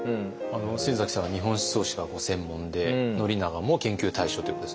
先さんは日本思想史がご専門で宣長も研究対象ということです。